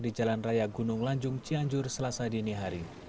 di jalan raya gunung lanjung cianjur selasa dini hari